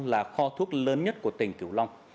là kho thuốc lớn nhất của tỉnh kiều long